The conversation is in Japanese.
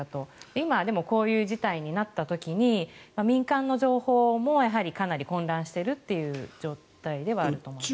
今はこういう事態になった時に民間の情報もやはりかなり混乱している状態ではあると思います。